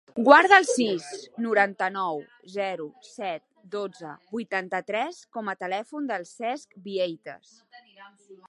Guarda el sis, noranta-nou, zero, set, dotze, vuitanta-tres com a telèfon del Cesc Vieites.